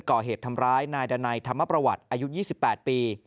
ก่อเหตุทำร้ายนายดันัยธรรมประวัติอายุ๒๘ปี